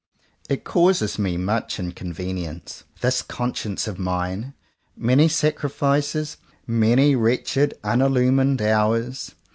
It causes me much inconvenience — this conscience of mine; many sacrifices, many wretched unillumined hours.